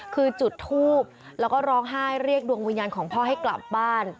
คือจุดทูบแล้วก็ร้องไห้เรียกดวงวิญญาณของพ่อให้กลับบ้าน